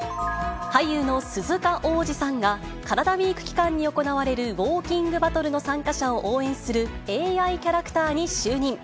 俳優の鈴鹿央士さんが、カラダＷＥＥＫ期間に行われるウオーキングバトルの参加者を応援する、ＡＩキャラクターに就任。